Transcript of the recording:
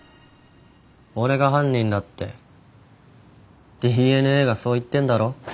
俺が犯人だってＤＮＡがそう言ってんだろ？